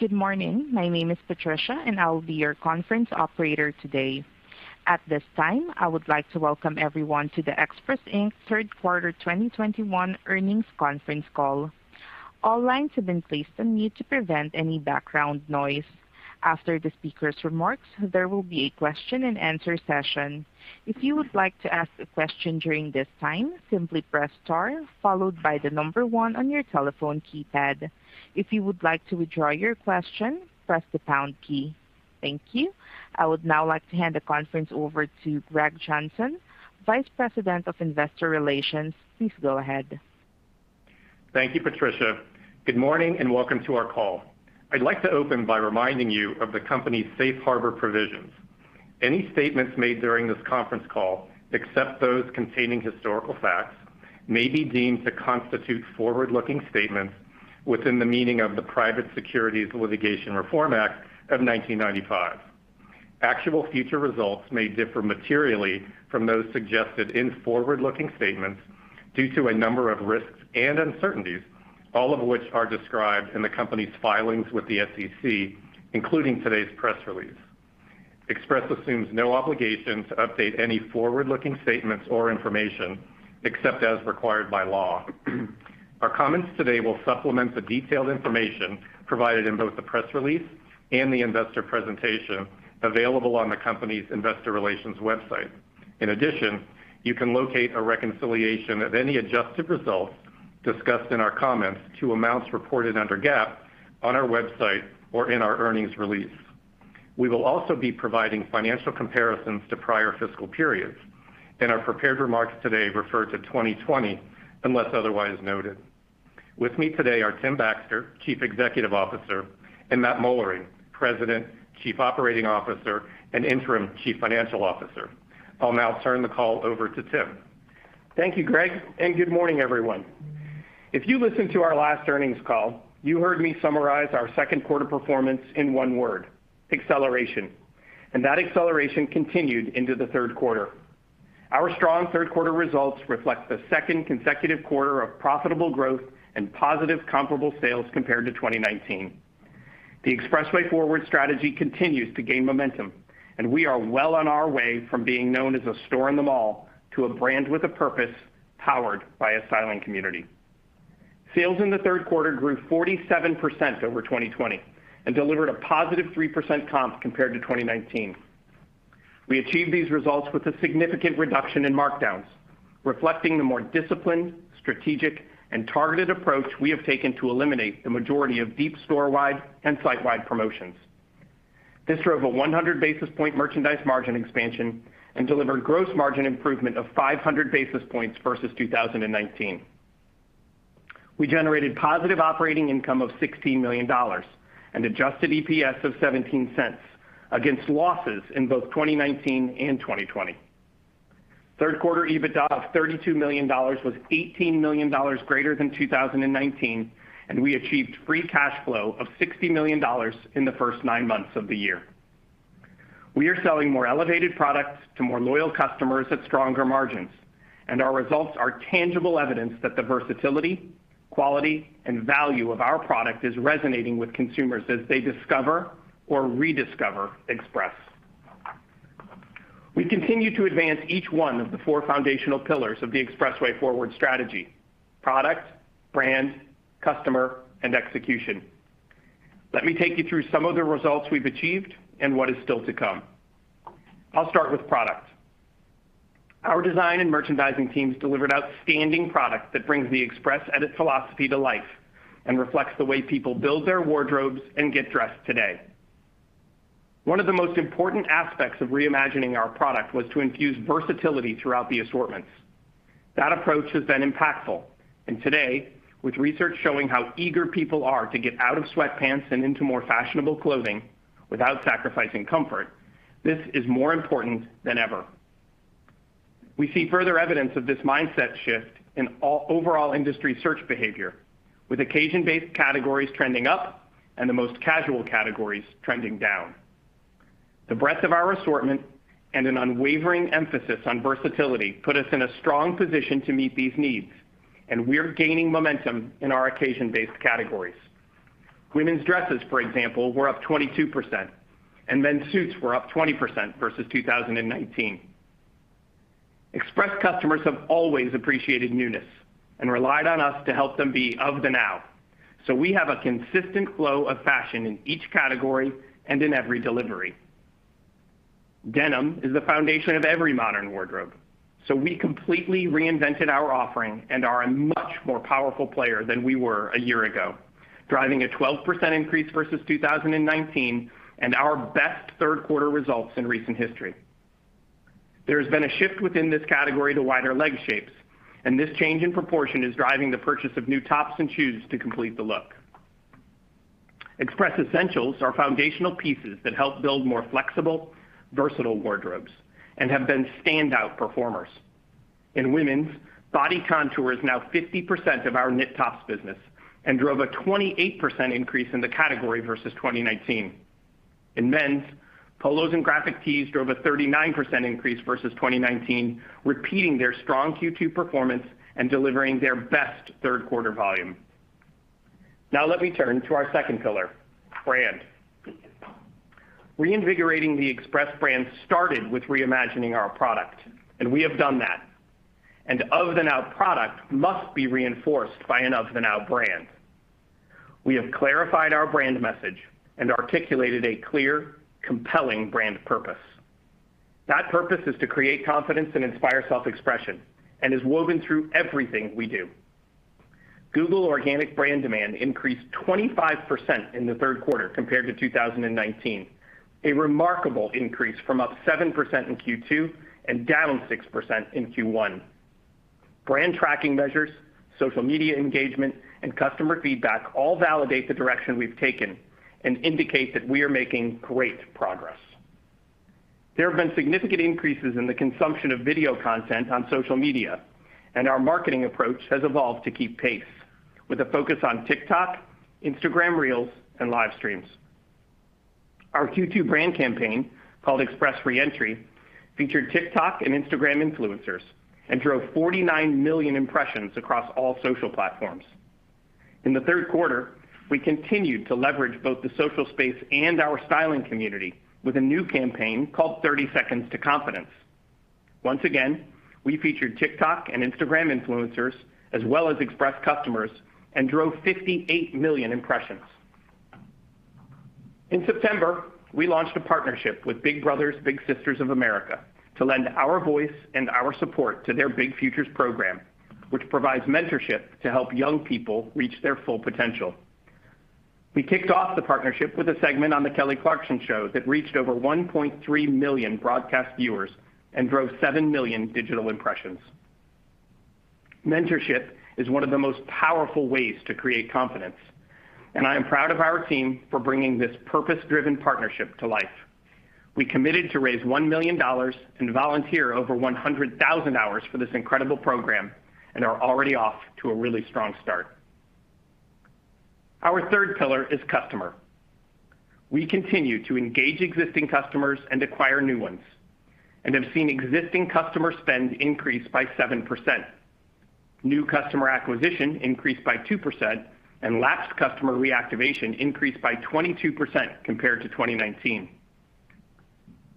Good morning. My name is Patricia, and I will be your conference operator today. At this time, I would like to welcome everyone to the Express, Inc. Third Quarter 2021 earnings conference call. All lines have been placed on mute to prevent any background noise. After the speaker's remarks, there will be a question-and-answer session. If you would like to ask a question during this time, simply press star followed by the number one on your telephone keypad. If you would like to withdraw your question, press the pound key. Thank you. I would now like to hand the conference over to Greg Johnson, Vice President of Investor Relations. Please go ahead. Thank you, Patricia. Good morning, and welcome to our call. I'd like to open by reminding you of the company's safe harbor provisions. Any statements made during this conference call, except those containing historical facts, may be deemed to constitute forward-looking statements within the meaning of the Private Securities Litigation Reform Act of 1995. Actual future results may differ materially from those suggested in forward-looking statements due to a number of risks and uncertainties, all of which are described in the company's filings with the SEC, including today's press release. Express assumes no obligation to update any forward-looking statements or information except as required by law. Our comments today will supplement the detailed information provided in both the press release and the investor presentation available on the company's investor relations website. In addition, you can locate a reconciliation of any adjusted results discussed in our comments to amounts reported under GAAP on our website or in our earnings release. We will also be providing financial comparisons to prior fiscal periods, and our prepared remarks today refer to 2020 unless otherwise noted. With me today are Tim Baxter, Chief Executive Officer, and Matt Moellering, President, Chief Operating Officer, and Interim Chief Financial Officer. I'll now turn the call over to Tim. Thank you, Greg, and good morning, everyone. If you listened to our last earnings call, you heard me summarize our second quarter performance in 1 word: acceleration. That acceleration continued into the third quarter. Our strong third quarter results reflect the second consecutive quarter of profitable growth and positive comparable sales compared to 2019. The EXPRESSway Forward strategy continues to gain momentum, and we are well on our way from being known as a store in the mall to a brand with a purpose powered by a styling community. Sales in the third quarter grew 47% over 2020 and delivered a positive 3% comp compared to 2019. We achieved these results with a significant reduction in markdowns, reflecting the more disciplined, strategic, and targeted approach we have taken to eliminate the majority of deep storewide and site-wide promotions. This drove a 100 basis points merchandise margin expansion and delivered gross margin improvement of 500 basis points versus 2019. We generated positive operating income of $16 million and adjusted EPS of $0.17 against losses in both 2019 and 2020. Third quarter EBITDA of $32 million was $18 million greater than 2019, and we achieved free cash flow of $60 million in the first nine months of the year. We are selling more elevated products to more loyal customers at stronger margins, and our results are tangible evidence that the versatility, quality, and value of our product is resonating with consumers as they discover or rediscover Express. We continue to advance each one of the four foundational pillars of the EXPRESSway Forward strategy, product, brand, customer, and execution. Let me take you through some of the results we've achieved and what is still to come. I'll start with product. Our design and merchandising teams delivered outstanding product that brings the Express Edit philosophy to life and reflects the way people build their wardrobes and get dressed today. One of the most important aspects of reimagining our product was to infuse versatility throughout the assortments. That approach has been impactful, and today, with research showing how eager people are to get out of sweatpants and into more fashionable clothing without sacrificing comfort, this is more important than ever. We see further evidence of this mindset shift in overall industry search behavior, with occasion-based categories trending up and the most casual categories trending down. The breadth of our assortment and an unwavering emphasis on versatility put us in a strong position to meet these needs, and we're gaining momentum in our occasion-based categories. Women's dresses, for example, were up 22%, and men's suits were up 20% versus 2019. Express customers have always appreciated newness and relied on us to help them be of the now, so we have a consistent flow of fashion in each category and in every delivery. Denim is the foundation of every modern wardrobe, so we completely reinvented our offering and are a much more powerful player than we were a year ago, driving a 12% increase versus 2019 and our best third quarter results in recent history. There has been a shift within this category to wider leg shapes, and this change in proportion is driving the purchase of new tops and shoes to complete the look. Express Essentials are foundational pieces that help build more flexible, versatile wardrobes and have been standout performers. In women's, Body Contour is now 50% of our knit tops business and drove a 28% increase in the category versus 2019. In men's, polos and graphic tees drove a 39% increase versus 2019, repeating their strong Q2 performance and delivering their best third quarter volume. Now let me turn to our second pillar, brand. Reinvigorating the Express brand started with reimagining our product, and we have done that. Of-the-now product must be reinforced by an of-the-now brand. We have clarified our brand message and articulated a clear, compelling brand purpose. That purpose is to create confidence and inspire self-expression and is woven through everything we do. Google organic brand demand increased 25% in the third quarter compared to 2019. A remarkable increase from up 7% in Q2 and down 6% in Q1. Brand tracking measures, social media engagement, and customer feedback all validate the direction we've taken and indicate that we are making great progress. There have been significant increases in the consumption of video content on social media, and our marketing approach has evolved to keep pace with a focus on TikTok, Instagram Reels, and live streams. Our Q2 brand campaign, called Express Re-Entry, featured TikTok and Instagram influencers and drove 49 million impressions across all social platforms. In the third quarter, we continued to leverage both the social space and our styling community with a new campaign called Thirty Seconds to Confidence. Once again, we featured TikTok and Instagram influencers as well as Express customers and drove 58 million impressions. In September, we launched a partnership with Big Brothers Big Sisters of America to lend our voice and our support to their Big Futures program, which provides mentorship to help young people reach their full potential. We kicked off the partnership with a segment on The Kelly Clarkson Show that reached over 1.3 million broadcast viewers and drove 7 million digital impressions. Mentorship is one of the most powerful ways to create confidence, and I am proud of our team for bringing this purpose-driven partnership to life. We committed to raise $1 million and volunteer over 100,000 hours for this incredible program and are already off to a really strong start. Our third pillar is customer. We continue to engage existing customers and acquire new ones and have seen existing customer spend increase by 7%. New customer acquisition increased by 2%, and lapsed customer reactivation increased by 22% compared to 2019.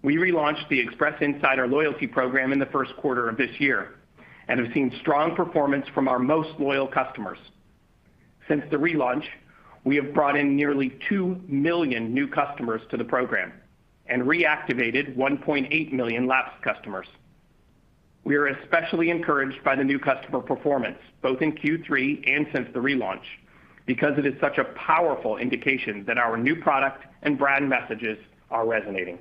We relaunched the Express Insider loyalty program in the first quarter of this year and have seen strong performance from our most loyal customers. Since the relaunch, we have brought in nearly 2 million new customers to the program and reactivated 1.8 million lapsed customers. We are especially encouraged by the new customer performance, both in Q3 and since the relaunch, because it is such a powerful indication that our new product and brand messages are resonating.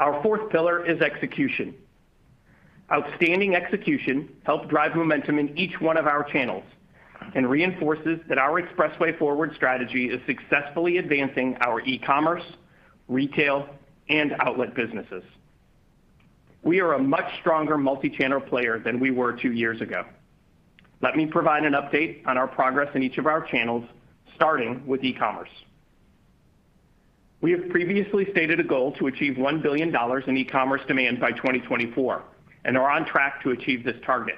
Our fourth pillar is execution. Outstanding execution helped drive momentum in each one of our channels and reinforces that our EXPRESSway Forward strategy is successfully advancing our e-commerce, retail, and outlet businesses. We are a much stronger multi-channel player than we were two years ago. Let me provide an update on our progress in each of our channels, starting with e-commerce. We have previously stated a goal to achieve $1 billion in e-commerce demand by 2024 and are on track to achieve this target.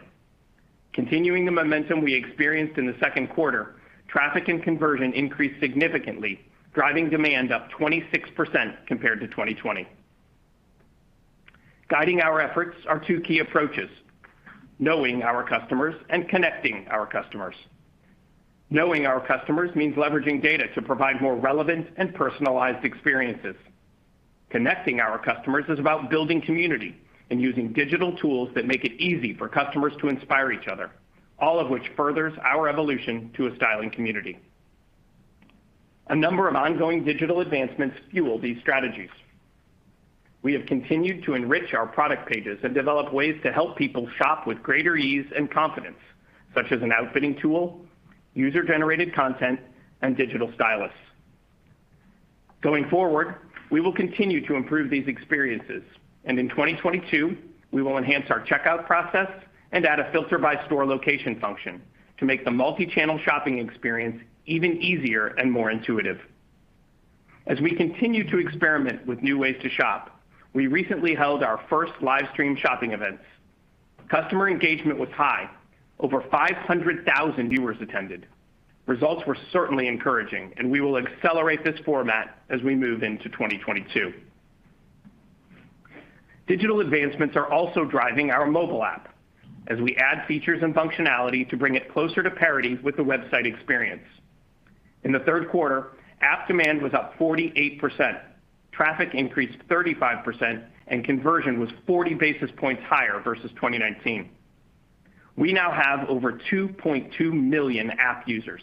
Continuing the momentum we experienced in the second quarter, traffic and conversion increased significantly, driving demand up 26% compared to 2020. Guiding our efforts are two key approaches, knowing our customers and connecting our customers. Knowing our customers means leveraging data to provide more relevant and personalized experiences. Connecting our customers is about building community and using digital tools that make it easy for customers to inspire each other, all of which furthers our evolution to a styling community. A number of ongoing digital advancements fuel these strategies. We have continued to enrich our product pages and develop ways to help people shop with greater ease and confidence, such as an outfitting tool, user-generated content, and digital stylists. Going forward, we will continue to improve these experiences, and in 2022, we will enhance our checkout process and add a filter by store location function to make the multi-channel shopping experience even easier and more intuitive. As we continue to experiment with new ways to shop, we recently held our first live stream shopping events. Customer engagement was high. Over 500,000 viewers attended. Results were certainly encouraging, and we will accelerate this format as we move into 2022. Digital advancements are also driving our mobile app as we add features and functionality to bring it closer to parity with the website experience. In the third quarter, app demand was up 48%. Traffic increased 35% and conversion was 40 basis points higher versus 2019. We now have over 2.2 million app users,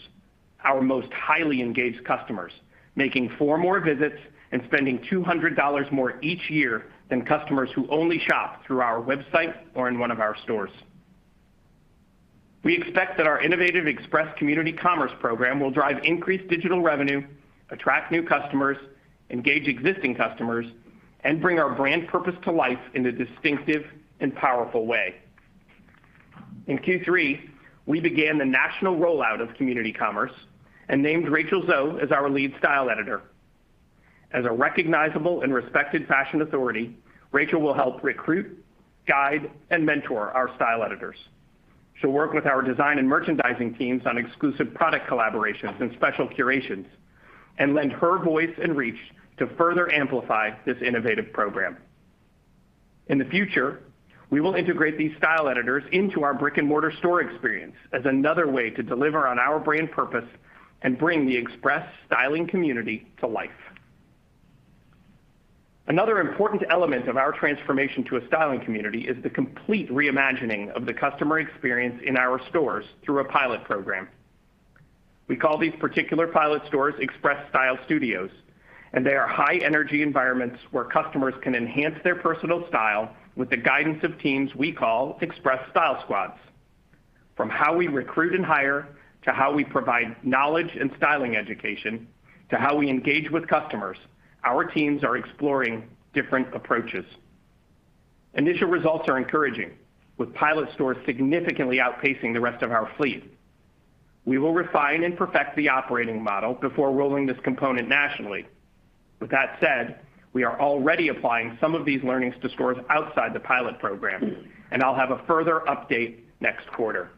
our most highly engaged customers, making four more visits and spending $200 more each year than customers who only shop through our website or in one of our stores. We expect that our innovative Express Community Commerce program will drive increased digital revenue, attract new customers, engage existing customers, and bring our brand purpose to life in a distinctive and powerful way. In Q3, we began the national rollout of Community Commerce and named Rachel Zoe as our lead style editor. As a recognizable and respected fashion authority, Rachel will help recruit, guide, and mentor our style editors. She'll work with our design and merchandising teams on exclusive product collaborations and special curations and lend her voice and reach to further amplify this innovative program. In the future, we will integrate these style editors into our brick-and-mortar store experience as another way to deliver on our brand purpose and bring the Express styling community to life. Another important element of our transformation to a styling community is the complete reimagining of the customer experience in our stores through a pilot program. We call these particular pilot stores Express Style Studios, and they are high-energy environments where customers can enhance their personal style with the guidance of teams we call Express Style Squads. From how we recruit and hire, to how we provide knowledge and styling education, to how we engage with customers, our teams are exploring different approaches. Initial results are encouraging, with pilot stores significantly outpacing the rest of our fleet. We will refine and perfect the operating model before rolling this component nationally. With that said, we are already applying some of these learnings to stores outside the pilot program, and I'll have a further update next quarter.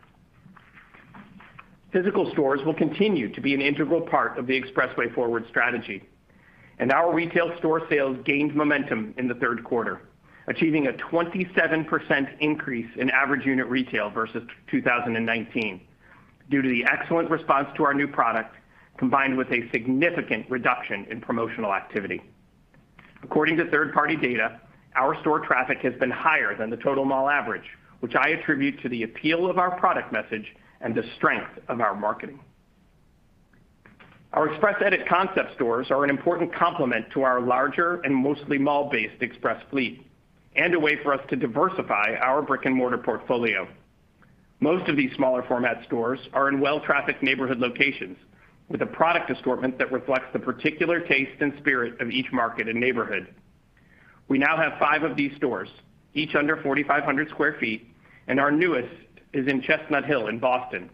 Physical stores will continue to be an integral part of the EXPRESSway Forward strategy, and our retail store sales gained momentum in the third quarter, achieving a 27% increase in average unit retail versus 2019 due to the excellent response to our new product combined with a significant reduction in promotional activity. According to third-party data, our store traffic has been higher than the total mall average, which I attribute to the appeal of our product message and the strength of our marketing. Our Express Edit concept stores are an important complement to our larger and mostly mall-based Express fleet and a way for us to diversify our brick-and-mortar portfolio. Most of these smaller format stores are in well-trafficked neighborhood locations with a product assortment that reflects the particular taste and spirit of each market and neighborhood. We now have 5 of these stores, each under 4,500 sq ft, and our newest is in Chestnut Hill in Boston,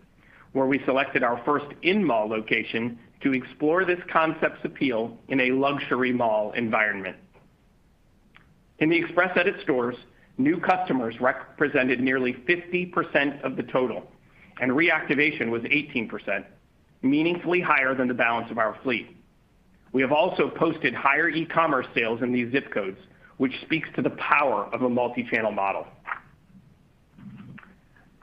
where we selected our first in-mall location to explore this concept's appeal in a luxury mall environment. In the Express Edit stores, new customers represented nearly 50% of the total, and reactivation was 18%, meaningfully higher than the balance of our fleet. We have also posted higher e-commerce sales in these zip codes, which speaks to the power of a multi-channel model.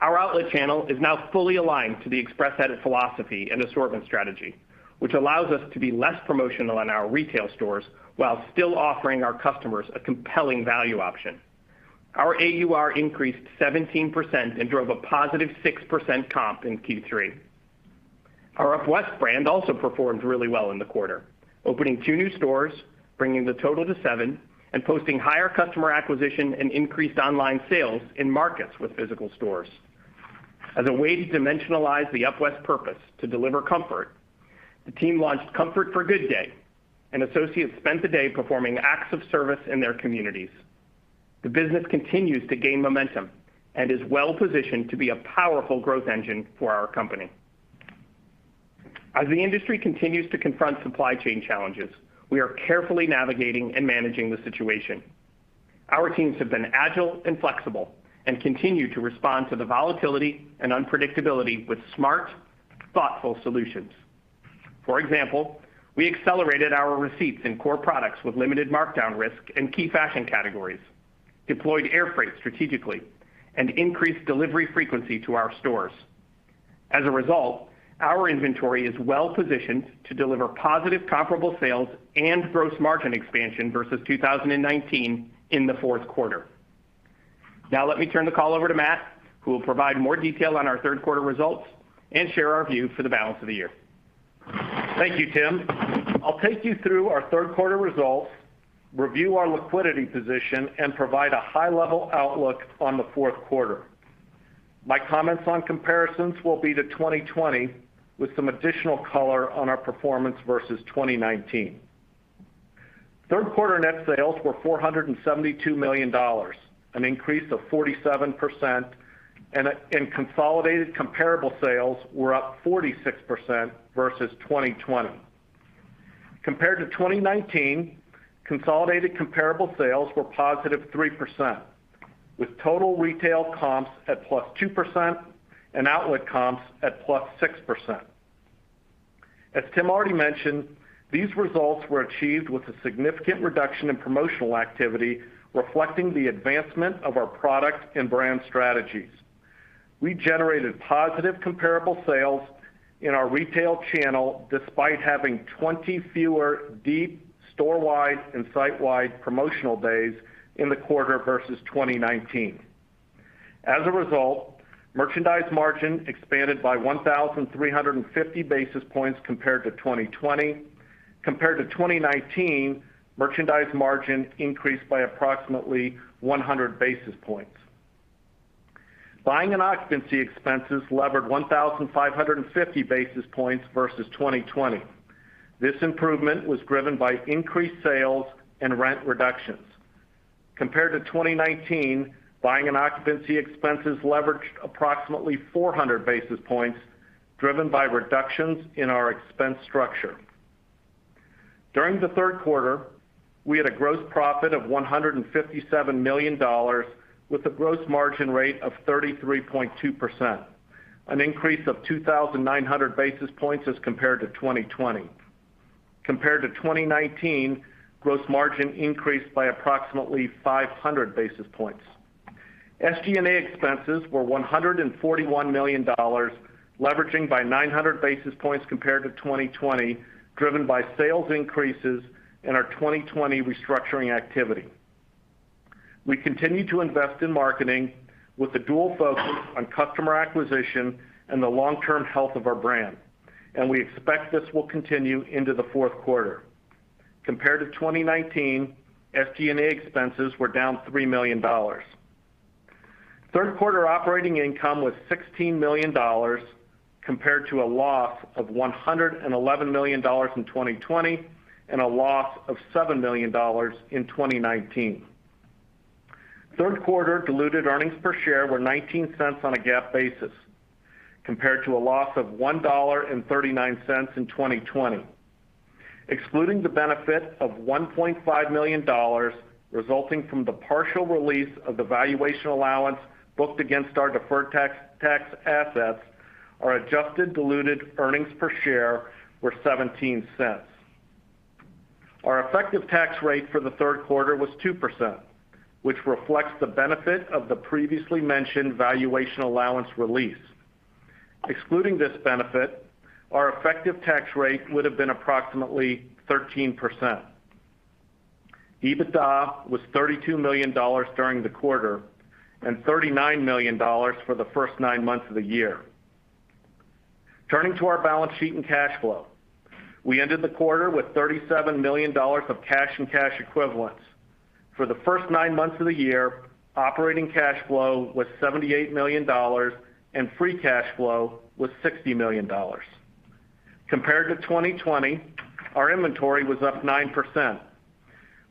Our outlet channel is now fully aligned to the Express Edit philosophy and assortment strategy, which allows us to be less promotional in our retail stores while still offering our customers a compelling value option. Our AUR increased 17% and drove a positive 6% comp in Q3. Our UpWest brand also performed really well in the quarter, opening 2 new stores, bringing the total to 7, and posting higher customer acquisition and increased online sales in markets with physical stores. As a way to dimensionalize the UpWest purpose to deliver comfort, the team launched Comfort for Good Day, and associates spent the day performing acts of service in their communities. The business continues to gain momentum and is well-positioned to be a powerful growth engine for our company. As the industry continues to confront supply chain challenges, we are carefully navigating and managing the situation. Our teams have been agile and flexible and continue to respond to the volatility and unpredictability with smart, thoughtful solutions. For example, we accelerated our receipts in core products with limited markdown risk in key fashion categories, deployed air freight strategically, and increased delivery frequency to our stores. As a result, our inventory is well-positioned to deliver positive comparable sales and gross margin expansion versus 2019 in the fourth quarter. Now let me turn the call over to Matt, who will provide more detail on our third quarter results and share our view for the balance of the year. Thank you, Tim. I'll take you through our third quarter results, review our liquidity position, and provide a high-level outlook on the fourth quarter. My comments on comparisons will be to 2020 with some additional color on our performance versus 2019. Third quarter net sales were $472 million, an increase of 47%, and consolidated comparable sales were up 46% versus 2020. Compared to 2019, consolidated comparable sales were +3%, with total retail comps at 2%+ and outlet comps at 6%+. As Tim already mentioned, these results were achieved with a significant reduction in promotional activity reflecting the advancement of our product and brand strategies. We generated positive comparable sales in our retail channel despite having 20 fewer deep storewide and sitewide promotional days in the quarter versus 2019. As a result, merchandise margin expanded by 1,350 basis points compared to 2020. Compared to 2019, merchandise margin increased by approximately 100 basis points. Buying and occupancy expenses leveraged 1,550 basis points versus 2020. This improvement was driven by increased sales and rent reductions. Compared to 2019, buying and occupancy expenses leveraged approximately 400 basis points, driven by reductions in our expense structure. During the third quarter, we had a gross profit of $157 million with a gross margin rate of 33.2%, an increase of 2,900 basis points as compared to 2020. Compared to 2019, gross margin increased by approximately 500 basis points. SG&A expenses were $141 million, leveraging by 900 basis points compared to 2020, driven by sales increases and our 2020 restructuring activity. We continue to invest in marketing with a dual focus on customer acquisition and the long-term health of our brand, and we expect this will continue into the fourth quarter. Compared to 2019, SG&A expenses were down $3 million. Third quarter operating income was $16 million compared to a loss of $111 million in 2020 and a loss of $7 million in 2019. Third quarter diluted earnings per share were $0.19 on a GAAP basis compared to a loss of $1.39 in 2020. Excluding the benefit of $1.5 million resulting from the partial release of the valuation allowance booked against our deferred tax assets, our adjusted diluted earnings per share were $0.17. Our effective tax rate for the third quarter was 2%, which reflects the benefit of the previously mentioned valuation allowance release. Excluding this benefit, our effective tax rate would have been approximately 13%. EBITDA was $32 million during the quarter and $39 million for the first nine months of the year. Turning to our balance sheet and cash flow. We ended the quarter with $37 million of cash and cash equivalents. For the first nine months of the year, operating cash flow was $78 million and free cash flow was $60 million. Compared to 2020, our inventory was up 9%.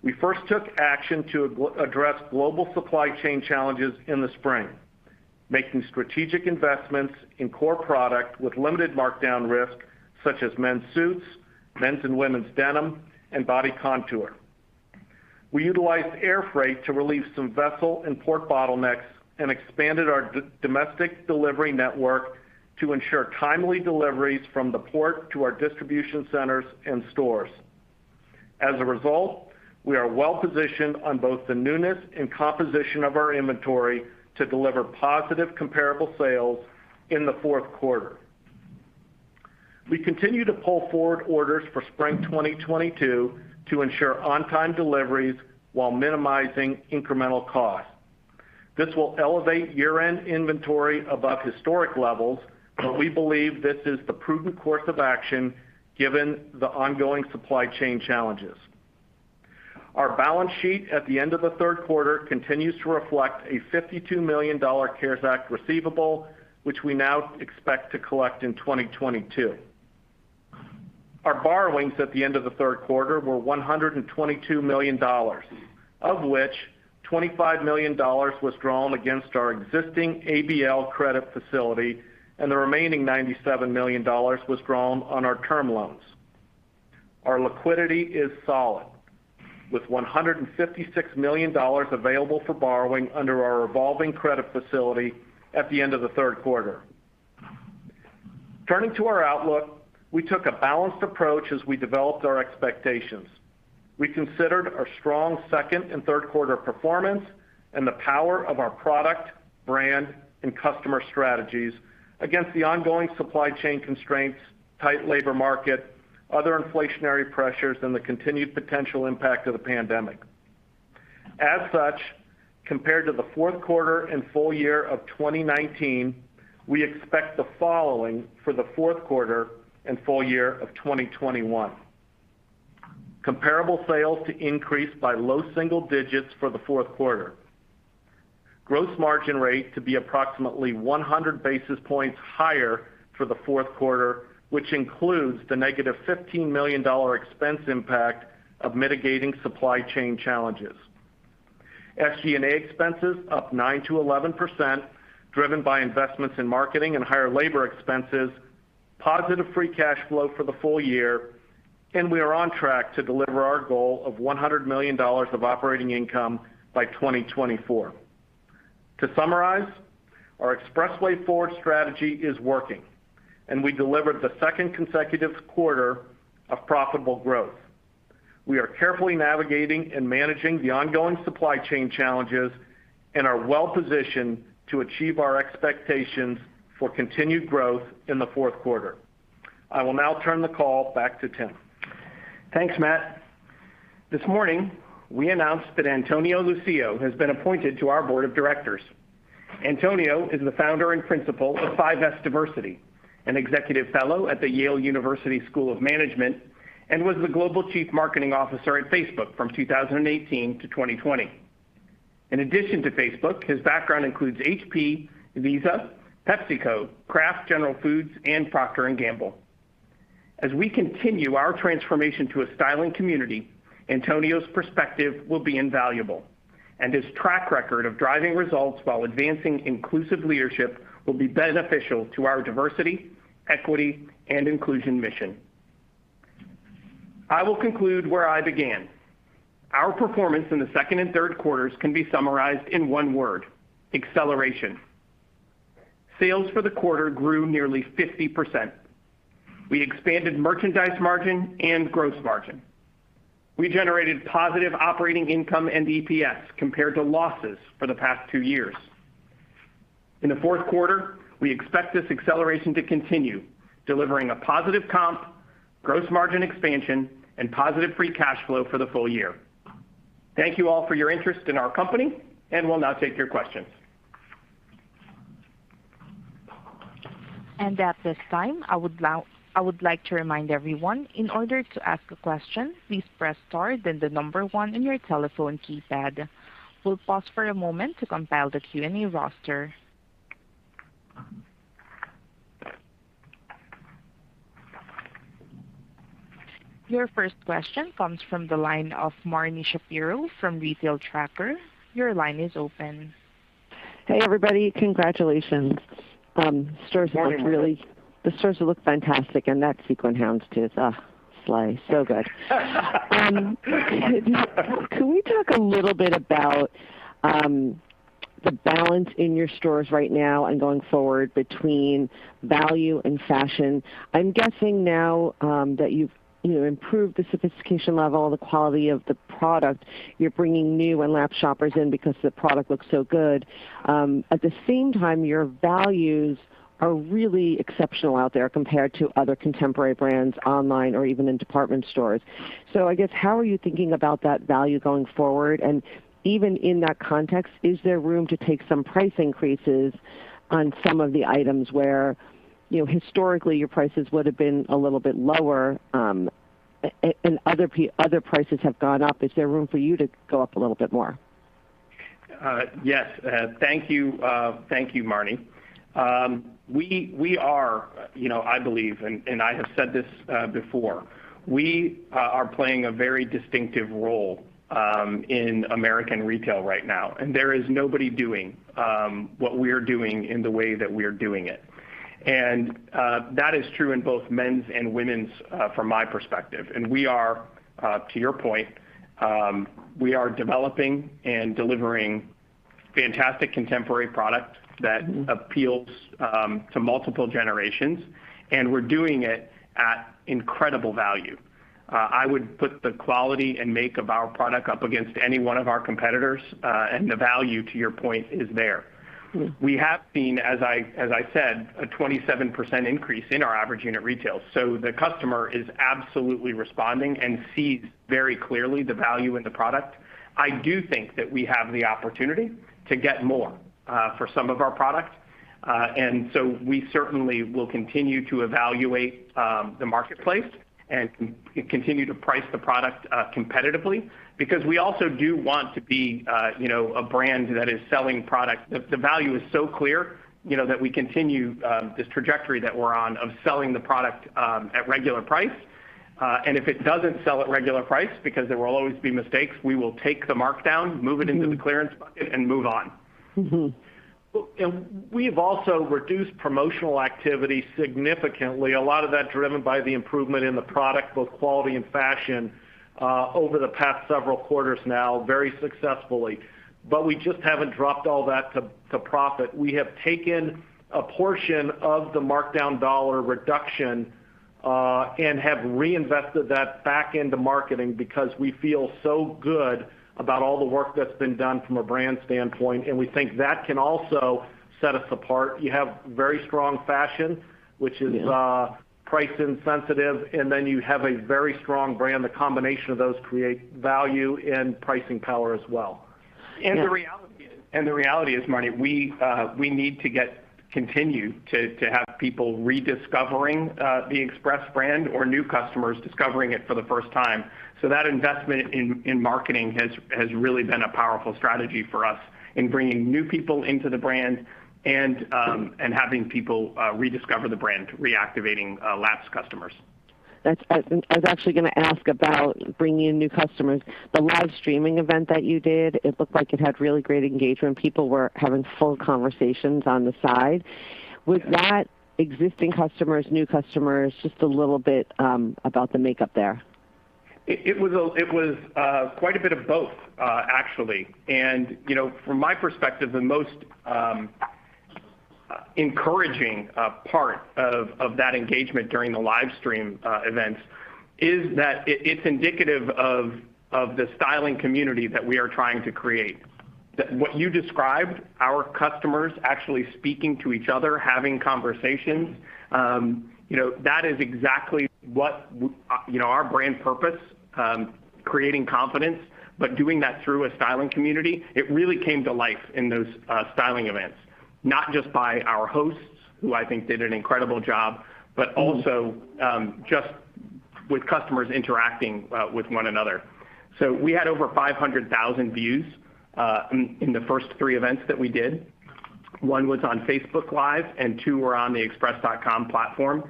We first took action to address global supply chain challenges in the spring, making strategic investments in core product with limited markdown risk, such as men's suits, men's and women's denim, and Body Contour. We utilized air freight to relieve some vessel and port bottlenecks and expanded our domestic delivery network to ensure timely deliveries from the port to our distribution centers and stores. As a result, we are well positioned on both the newness and composition of our inventory to deliver positive comparable sales in the fourth quarter. We continue to pull forward orders for spring 2022 to ensure on-time deliveries while minimizing incremental costs. This will elevate year-end inventory above historic levels, but we believe this is the prudent course of action given the ongoing supply chain challenges. Our balance sheet at the end of the third quarter continues to reflect a $52 million CARES Act receivable, which we now expect to collect in 2022. Our borrowings at the end of the third quarter were $122 million, of which $25 million was drawn against our existing ABL credit facility and the remaining $97 million was drawn on our term loans. Our liquidity is solid, with $156 million available for borrowing under our revolving credit facility at the end of the third quarter. Turning to our outlook, we took a balanced approach as we developed our expectations. We considered our strong second and third quarter performance and the power of our product, brand, and customer strategies against the ongoing supply chain constraints, tight labor market, other inflationary pressures, and the continued potential impact of the pandemic. As such, compared to the fourth quarter and full year of 2019, we expect the following for the fourth quarter and full year of 2021. Comparable sales to increase by low single digits for the fourth quarter. Gross margin rate to be approximately 100 basis points higher for the fourth quarter, which includes the negative $15 million expense impact of mitigating supply chain challenges. SG&A expenses up 9%-11%, driven by investments in marketing and higher labor expenses. Positive free cash flow for the full year and we are on track to deliver our goal of $100 million of operating income by 2024. To summarize, our EXPRESSway Forward strategy is working and we delivered the second consecutive quarter of profitable growth. We are carefully navigating and managing the ongoing supply chain challenges and are well positioned to achieve our expectations for continued growth in the fourth quarter. I will now turn the call back to Tim. Thanks, Matt. This morning, we announced that Antonio Lucio has been appointed to our board of directors. Antonio is the founder and principal of 5S Diversity, an executive fellow at the Yale School of Management, and was the Global Chief Marketing Officer at Facebook from 2018 to 2020. In addition to Facebook, his background includes HP, Visa, PepsiCo, Kraft General Foods, and Procter & Gamble. As we continue our transformation to a styling community, Antonio's perspective will be invaluable, and his track record of driving results while advancing inclusive leadership will be beneficial to our diversity, equity, and inclusion mission. I will conclude where I began. Our performance in the second and third quarters can be summarized in one word: acceleration. Sales for the quarter grew nearly 50%. We expanded merchandise margin and gross margin. We generated positive operating income and EPS compared to losses for the past two years. In the fourth quarter, we expect this acceleration to continue, delivering a positive comp, gross margin expansion, and positive free cash flow for the full year. Thank you all for your interest in our company, and we'll now take your questions. At this time, I would like to remind everyone, in order to ask a question, please press star, then the number one in your telephone keypad. We'll pause for a moment to compile the Q&A roster. Your first question comes from the line of Marni Shapiro from The Retail Tracker. Your line is open. Hey, everybody. Congratulations. Stores look really. Good morning, Marni. The stores look fantastic, and that sequin houndstooth too. Slay. Good. Can we talk a little bit about the balance in your stores right now and going forward between value and fashion? I'm guessing now that you've, you know, improved the sophistication level, the quality of the product, you're bringing new and lapsed shoppers in because the product looks so good. At the same time, your values are really exceptional out there compared to other contemporary brands online or even in department stores. I guess, how are you thinking about that value going forward? And even in that context, is there room to take some price increases on some of the items where, you know, historically your prices would have been a little bit lower, and other prices have gone up. Is there room for you to go up a little bit more? Yes. Thank you. Thank you, Marni. We are, you know, I believe, and I have said this before, we are playing a very distinctive role in American retail right now, and there is nobody doing what we're doing in the way that we are doing it. That is true in both men's and women's from my perspective. We are, to your point, we are developing and delivering fantastic contemporary product that appeals to multiple generations, and we're doing it at incredible value. I would put the quality and make of our product up against any one of our competitors. The value, to your point, is there. Mm-hmm. We have seen, as I said, a 27% increase in our average unit retail. The customer is absolutely responding and sees very clearly the value in the product. I do think that we have the opportunity to get more for some of our product. We certainly will continue to evaluate the marketplace and continue to price the product competitively, because we also do want to be, you know, a brand that is selling product. The value is so clear, you know, that we continue this trajectory that we're on of selling the product at regular price. If it doesn't sell at regular price, because there will always be mistakes, we will take the markdown, move it into the clearance bucket, and move on. Mm-hmm. Well, we've also reduced promotional activity significantly. A lot of that driven by the improvement in the product, both quality and fashion, over the past several quarters now very successfully. We just haven't dropped all that to profit. We have taken a portion of the markdown dollar reduction, and have reinvested that back into marketing because we feel so good about all the work that's been done from a brand standpoint, and we think that can also set us apart. You have very strong fashion, which is price insensitive, and then you have a very strong brand. The combination of those create value and pricing power as well. Yeah. The reality is, Marni, we need to continue to have people rediscovering the Express brand or new customers discovering it for the first time. That investment in marketing has really been a powerful strategy for us in bringing new people into the brand and having people rediscover the brand, reactivating lapsed customers. I was actually gonna ask about bringing in new customers. The live streaming event that you did, it looked like it had really great engagement. People were having full conversations on the side. Yes. Was that existing customers, new customers? Just a little bit about the makeup there. It was quite a bit of both, actually. You know, from my perspective, the most encouraging part of that engagement during the live stream events is that it's indicative of the styling community that we are trying to create. What you described, our customers actually speaking to each other, having conversations, you know, that is exactly what, you know, our brand purpose, creating confidence, but doing that through a styling community. It really came to life in those styling events, not just by our hosts, who I think did an incredible job, but also just with customers interacting with one another. We had over 500,000 views in the first three events that we did. One was on Facebook Live and two were on the express.com platform.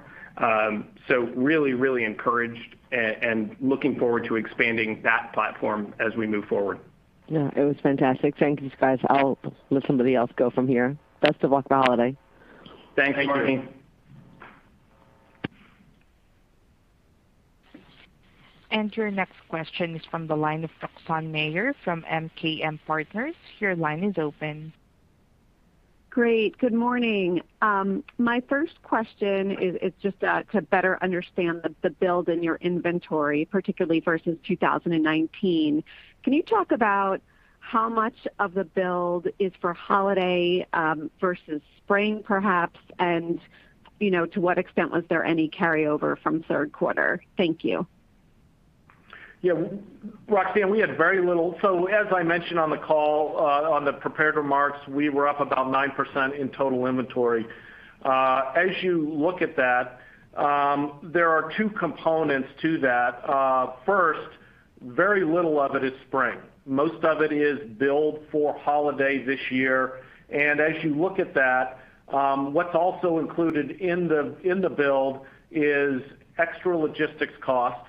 Really encouraged and looking forward to expanding that platform as we move forward. Yeah, it was fantastic. Thank you guys. I'll let somebody else go from here. Best of luck holiday. Your next question is from the line of Roxanne Meyer from MKM Partners. Your line is open. Great. Good morning. My first question is just to better understand the build in your inventory, particularly versus 2019. Can you talk about how much of the build is for holiday versus spring, perhaps, and, you know, to what extent was there any carryover from third quarter? Thank you. Yeah. Roxanne, we had very little. As I mentioned on the call, on the prepared remarks, we were up about 9% in total inventory. As you look at that, there are two components to that. First, very little of it is spring. Most of it is build for holiday this year. As you look at that, what's also included in the build is extra logistics costs.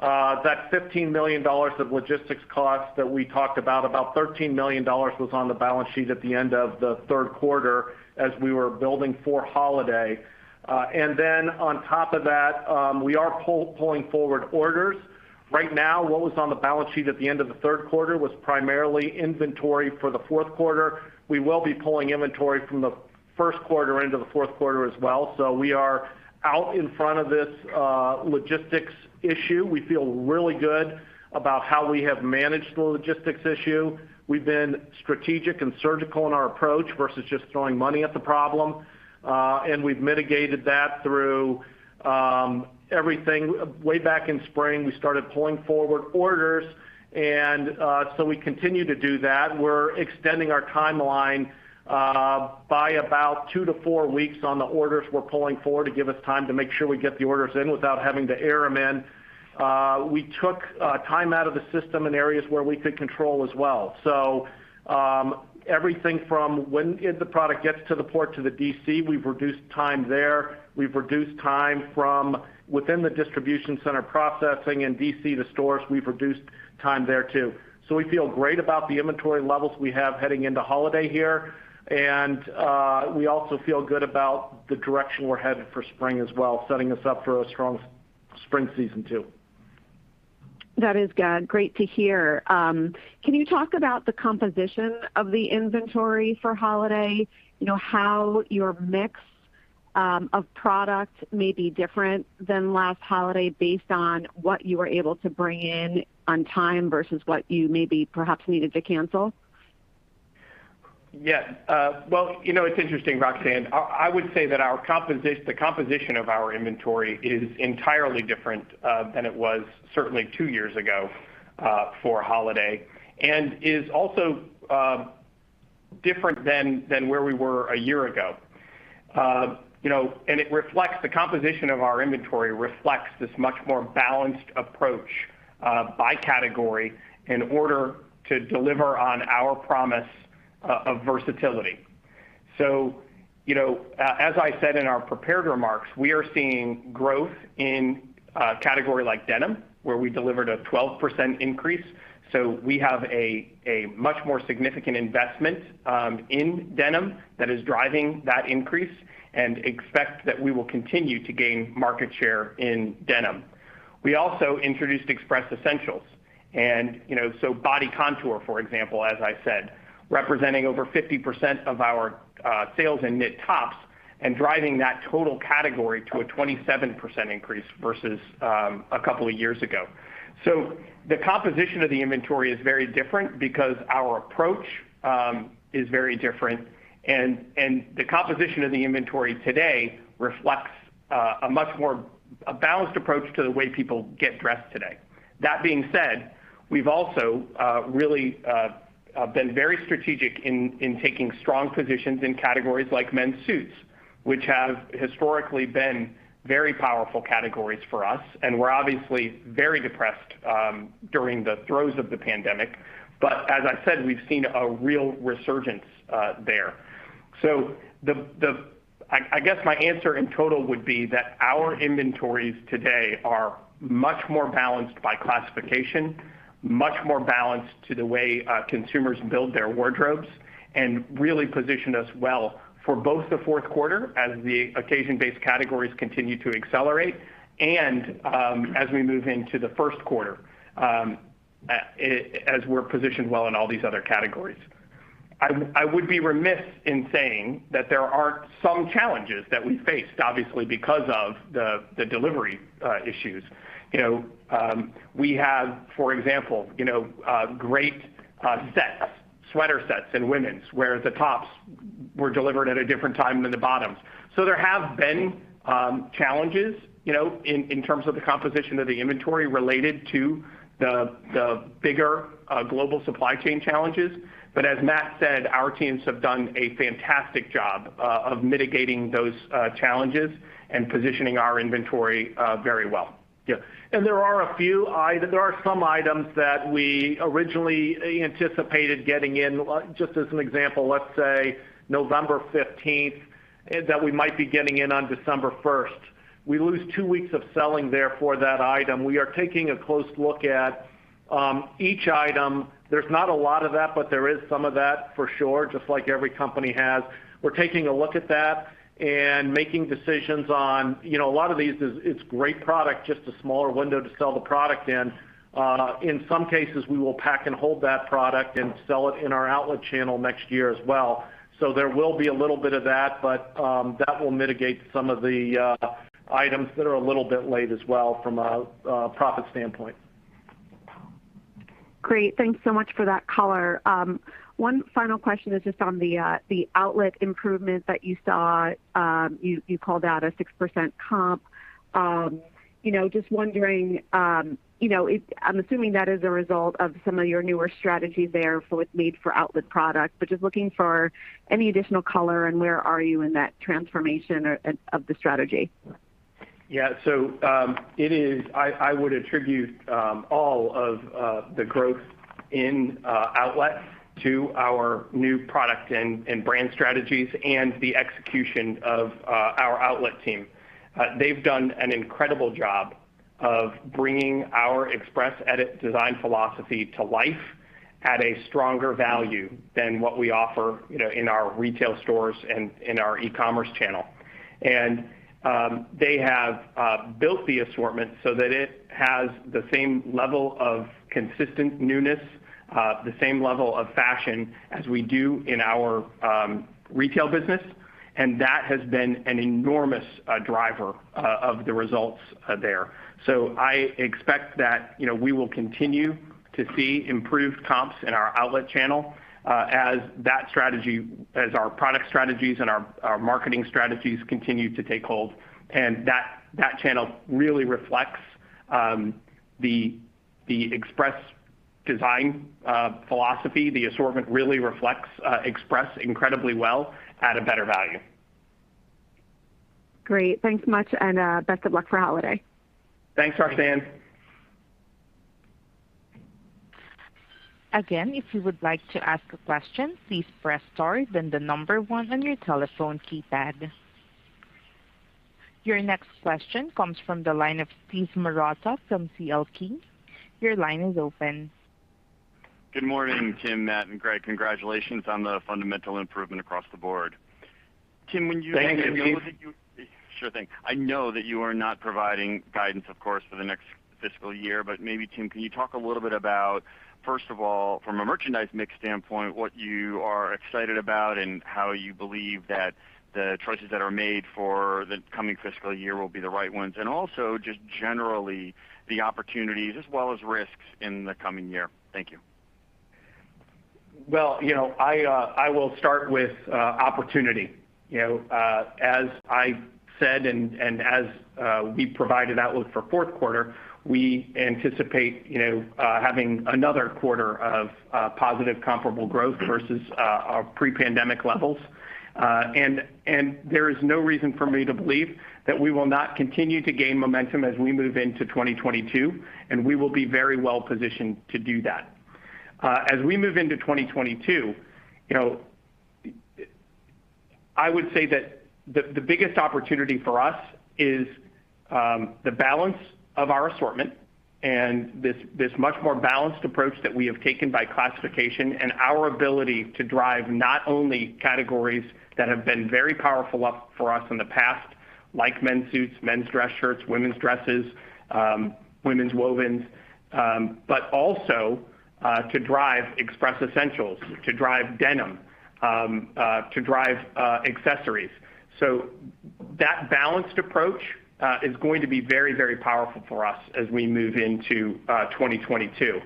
That $15 million of logistics costs that we talked about $13 million was on the balance sheet at the end of the third quarter as we were building for holiday. Then on top of that, we are pulling forward orders. Right now, what was on the balance sheet at the end of the third quarter was primarily inventory for the fourth quarter. We will be pulling inventory from the first quarter into the fourth quarter as well. We are out in front of this, logistics issue. We feel really good about how we have managed the logistics issue. We've been strategic and surgical in our approach versus just throwing money at the problem. We've mitigated that through everything. Way back in spring, we started pulling forward orders, and, so we continue to do that. We're extending our timeline, by about 2-4 weeks on the orders we're pulling forward to give us time to make sure we get the orders in without having to air them in. We took time out of the system in areas where we could control as well. Everything from when the product gets to the port to the DC, we've reduced time there. We've reduced time from within the distribution center processing and DC to stores, we've reduced time there too. We feel great about the inventory levels we have heading into holiday here. We also feel good about the direction we're headed for spring as well, setting us up for a strong spring season too. That is great to hear. Can you talk about the composition of the inventory for holiday? You know, how your mix of product may be different than last holiday based on what you were able to bring in on time versus what you maybe perhaps needed to cancel? Yeah. Well, you know, it's interesting, Roxanne. I would say that the composition of our inventory is entirely different than it was certainly two years ago for holiday, and is also different than where we were a year ago. You know, and it reflects this much more balanced approach by category in order to deliver on our promise of versatility. You know, as I said in our prepared remarks, we are seeing growth in a category like denim, where we delivered a 12% increase. We have a much more significant investment in denim that is driving that increase and expect that we will continue to gain market share in denim. We also introduced Express Essentials. You know, so Body Contour, for example, as I said, representing over 50% of our sales in knit tops and driving that total category to a 27% increase versus a couple of years ago. The composition of the inventory is very different because our approach is very different. The composition of the inventory today reflects a balanced approach to the way people get dressed today. That being said, we've also really been very strategic in taking strong positions in categories like men's suits, which have historically been very powerful categories for us. They were obviously very depressed during the throes of the pandemic. As I said, we've seen a real resurgence there. The... I guess my answer in total would be that our inventories today are much more balanced by classification, much more balanced to the way consumers build their wardrobes and really position us well for both the fourth quarter as the occasion-based categories continue to accelerate, and as we move into the first quarter, as we're positioned well in all these other categories. I would be remiss in saying that there aren't some challenges that we faced, obviously, because of the delivery issues. You know, we have, for example, you know, great sets, sweater sets in women's where the tops were delivered at a different time than the bottoms. There have been challenges, you know, in terms of the composition of the inventory related to the bigger global supply chain challenges. As Matt said, our teams have done a fantastic job of mitigating those challenges and positioning our inventory very well. Yeah. There are some items that we originally anticipated getting in, just as an example, let's say November fifteenth, that we might be getting in on December first. We lose two weeks of selling there for that item. We are taking a close look at each item. There's not a lot of that, but there is some of that for sure, just like every company has. We're taking a look at that and making decisions on, you know, a lot of these is great product, just a smaller window to sell the product in. In some cases, we will pack and hold that product and sell it in our outlet channel next year as well. There will be a little bit of that, but that will mitigate some of the items that are a little bit late as well from a profit standpoint. Great. Thanks so much for that color. One final question is just on the outlet improvement that you saw. You called out a 6% comp. You know, just wondering, you know, I'm assuming that is a result of some of your newer strategies there for with made for outlet product, but just looking for any additional color and where are you in that transformation or of the strategy. I would attribute all of the growth in outlet to our new product and brand strategies and the execution of our outlet team. They've done an incredible job of bringing our Express Edit design philosophy to life at a stronger value than what we offer, you know, in our retail stores and in our e-commerce channel. They have built the assortment so that it has the same level of consistent newness, the same level of fashion as we do in our retail business, and that has been an enormous driver of the results there. I expect that, you know, we will continue to see improved comps in our outlet channel as that strategy, as our product strategies and our marketing strategies continue to take hold. That channel really reflects the Express design philosophy. The assortment really reflects Express incredibly well at a better value. Great. Thanks much, and best of luck for holiday. Thanks, Roxanne. Again, if you would like to ask a question, please press star, then the number one on your telephone keypad. Your next question comes from the line of Steve Marotta from C.L. King. Your line is open. Good morning, Tim, Matt, and Greg. Congratulations on the fundamental improvement across the board. Tim, when you- Thank you, Steve. Sure thing. I know that you are not providing guidance, of course, for the next fiscal year, but maybe, Tim, can you talk a little bit about, first of all, from a merchandise mix standpoint, what you are excited about and how you believe that the choices that are made for the coming fiscal year will be the right ones? Also just generally the opportunities as well as risks in the coming year. Thank you. Well, you know, I will start with opportunity. You know, as I said and as we provided outlook for fourth quarter, we anticipate, you know, having another quarter of positive comparable growth versus our pre-pandemic levels. There is no reason for me to believe that we will not continue to gain momentum as we move into 2022, and we will be very well positioned to do that. As we move into 2022, you know, I would say that the biggest opportunity for us is the balance of our assortment and this much more balanced approach that we have taken by classification and our ability to drive not only categories that have been very powerful for us in the past, like men's suits, men's dress shirts, women's dresses, women's wovens, but also to drive Express Essentials, to drive denim, to drive accessories. That balanced approach is going to be very, very powerful for us as we move into 2022.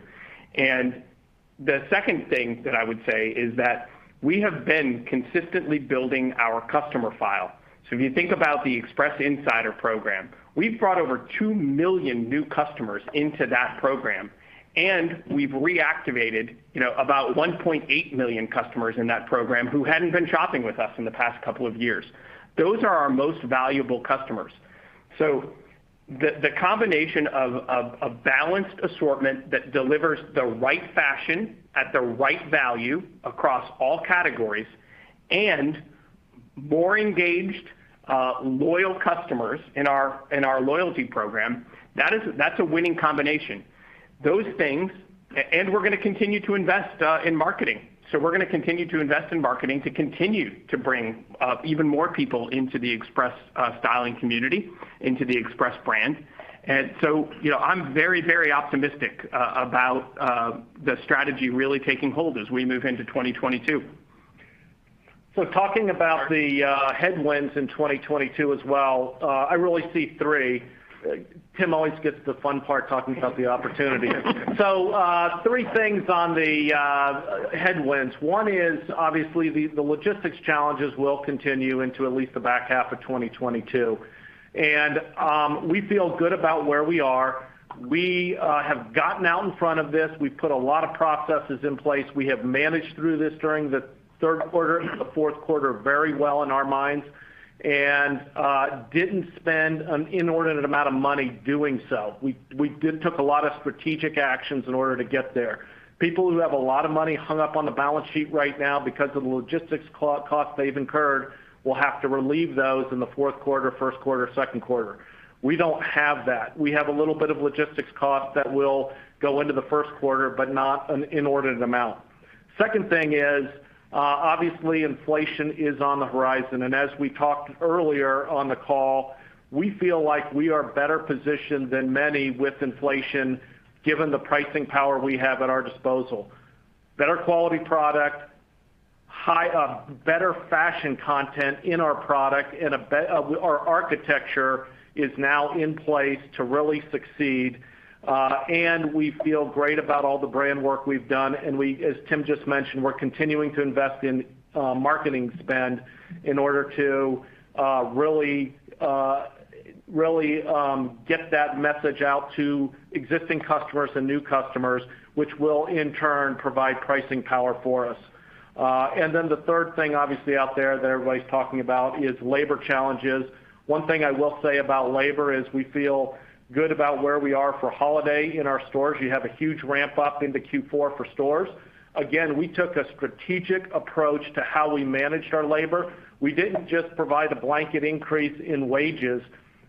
The second thing that I would say is that we have been consistently building our customer file. If you think about the Express Insider program, we've brought over 2 million new customers into that program, and we've reactivated, you know, about 1.8 million customers in that program who hadn't been shopping with us in the past couple of years. Those are our most valuable customers. The combination of a balanced assortment that delivers the right fashion at the right value across all categories and more engaged loyal customers in our loyalty program, that's a winning combination. Those things and we're gonna continue to invest in marketing. We're gonna continue to invest in marketing to continue to bring even more people into the Express styling community, into the Express brand. You know, I'm very, very optimistic about the strategy really taking hold as we move into 2022. Talking about the headwinds in 2022 as well, I really see three. Tim always gets the fun part talking about the opportunity. Three things on the headwinds. One is obviously the logistics challenges will continue into at least the back half of 2022. We feel good about where we are. We have gotten out in front of this. We put a lot of processes in place. We have managed through this during the third quarter, the fourth quarter very well in our minds, and didn't spend an inordinate amount of money doing so. We did take a lot of strategic actions in order to get there. People who have a lot of money hung up on the balance sheet right now because of the logistics cost they've incurred will have to relieve those in the fourth quarter, first quarter, second quarter. We don't have that. We have a little bit of logistics cost that will go into the first quarter, but not an inordinate amount. Second thing is, obviously inflation is on the horizon. As we talked earlier on the call, we feel like we are better positioned than many with inflation given the pricing power we have at our disposal. Better quality product, better fashion content in our product and our architecture is now in place to really succeed. We feel great about all the brand work we've done, and we... As Tim just mentioned, we're continuing to invest in marketing spend in order to really get that message out to existing customers and new customers, which will in turn provide pricing power for us. The third thing obviously out there that everybody's talking about is labor challenges. One thing I will say about labor is we feel good about where we are for holiday in our stores. You have a huge ramp up into Q4 for stores. Again, we took a strategic approach to how we manage our labor. We didn't just provide a blanket increase in wages.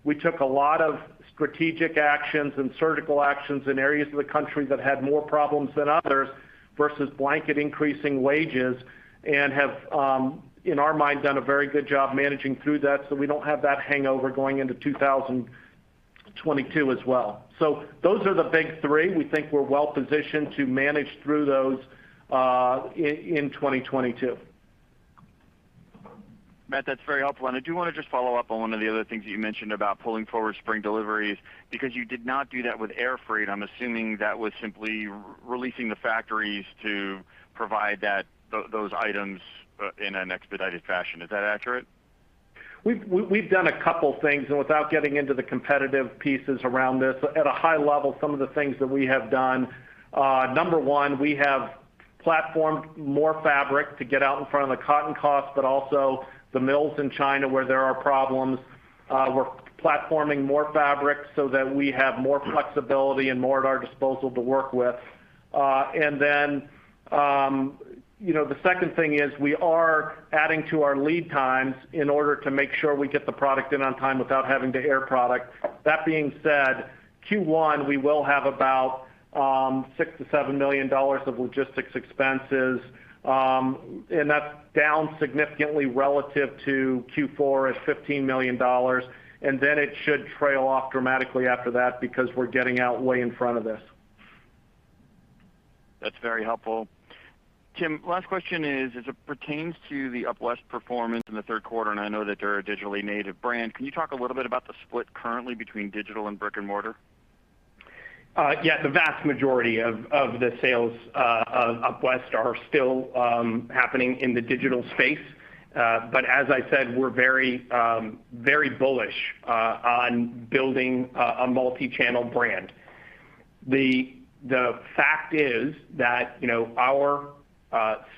We took a lot of strategic actions and surgical actions in areas of the country that had more problems than others versus blanket increasing wages and have, in our mind, done a very good job managing through that, so we don't have that hangover going into 2022 as well. Those are the big three. We think we're well positioned to manage through those, in 2022. Matt, that's very helpful. I do wanna just follow up on one of the other things that you mentioned about pulling forward spring deliveries. Because you did not do that with air freight, I'm assuming that was simply releasing the factories to provide those items in an expedited fashion. Is that accurate? We've done a couple things, and without getting into the competitive pieces around this, at a high level, some of the things that we have done, number one, we have platformed more fabric to get out in front of the cotton cost, but also the mills in China where there are problems. We're platforming more fabric so that we have more flexibility and more at our disposal to work with. Then, you know, the second thing is we are adding to our lead times in order to make sure we get the product in on time without having to air product. That being said, Q1, we will have about $6 million-$7 million of logistics expenses. That's down significantly relative to Q4 at $15 million. It should trail off dramatically after that because we're getting out way in front of this. That's very helpful. Tim, last question is, as it pertains to the UpWest performance in the third quarter, and I know that they're a digitally native brand, can you talk a little bit about the split currently between digital and brick and mortar? Yeah. The vast majority of the sales of UpWest are still happening in the digital space. As I said, we're very very bullish on building a multi-channel brand. The fact is that, you know, our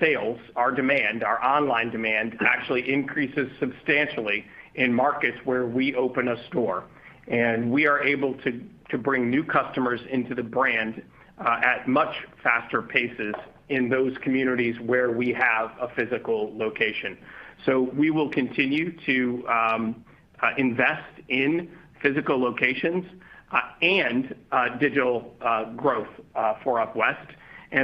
sales, our demand, our online demand actually increases substantially in markets where we open a store. We are able to bring new customers into the brand at much faster paces in those communities where we have a physical location. We will continue to invest in physical locations and digital growth for UpWest.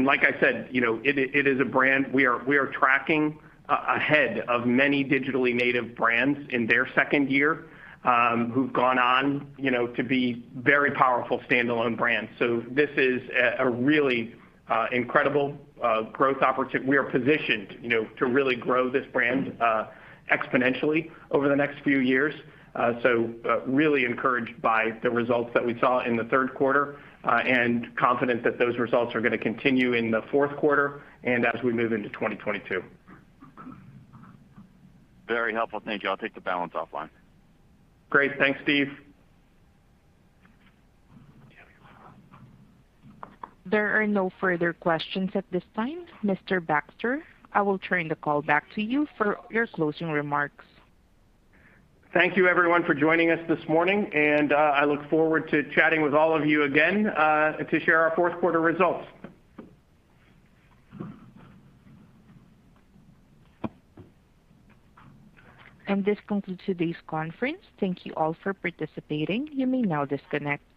Like I said, you know, it is a brand we are tracking ahead of many digitally native brands in their second year, who've gone on, you know, to be very powerful standalone brands. This is a really incredible growth opportunity. We are positioned, you know, to really grow this brand exponentially over the next few years. Really encouraged by the results that we saw in the third quarter and confident that those results are gonna continue in the fourth quarter and as we move into 2022. Very helpful. Thank you. I'll take the balance offline. Great. Thanks, Steve. There are no further questions at this time. Mr. Baxter, I will turn the call back to you for your closing remarks. Thank you, everyone, for joining us this morning, and I look forward to chatting with all of you again to share our fourth quarter results. This concludes today's conference. Thank you all for participating. You may now disconnect.